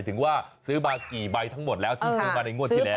ถึงว่าซื้อมากี่ใบทั้งหมดแล้วที่ซื้อมาในงวดที่แล้ว